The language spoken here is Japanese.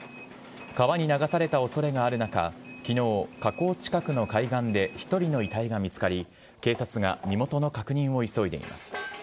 川に流されたおそれがある中、きのう、河口近くの海岸で１人の遺体が見つかり、警察が身元の確認を急いでいます。